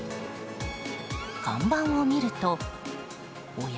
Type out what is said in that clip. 看板を見るとおや？